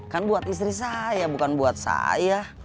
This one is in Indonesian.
kan buat istri saya bukan buat saya